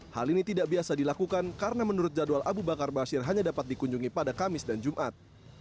hal ini tidak biasa dilakukan karena menurut jadwal abu bakar basir hanya dapat dikunjungi pada kamis dan jumat